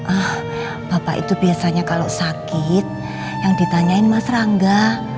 ah bapak itu biasanya kalau sakit yang ditanyain mas rangga